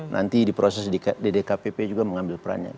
nanti di proses ddkpp juga mengambil perannya